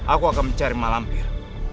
aku akan mencari malampir